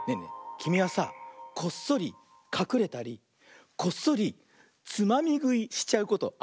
きみはさこっそりかくれたりこっそりつまみぐいしちゃうことあるかな。